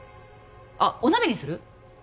あっお鍋にする？